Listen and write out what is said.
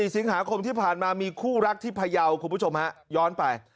สิงหาคมที่ผ่านมามีคู่รักที่พยาวคุณผู้ชมฮะย้อนไป